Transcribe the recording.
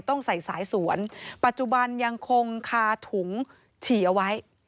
ต้องใส่สายสวนปัจจุบันยังคงคาถุงฉี่เอาไว้